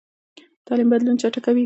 تعلیم بدلون چټکوي.